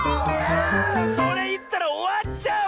あそれいったらおわっちゃう！